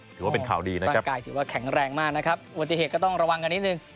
ถือว่าเป็นข่าวดีนะครับร่างกายถือว่าแข็งแรงมากนะครับอุบัติเหตุก็ต้องระวังกันนิดนึง